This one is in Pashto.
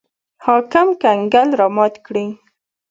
حاکم کنګل رامات کړي.